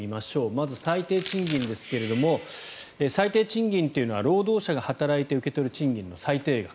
まず、最低賃金ですが最低賃金というのは労働者が働いて受け取る賃金の最低額